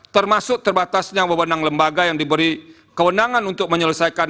termasuk terbatasnya beban lembaga yang diberi kewenangan untuk menyelesaikan